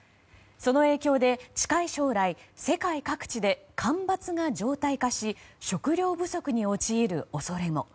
その影響で近い将来世界各地で干ばつが常態化し食糧不足に陥る恐れも。